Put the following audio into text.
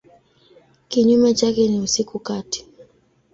Kinyume chake ni usiku kati.